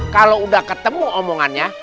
kalau udah ketemu omongannya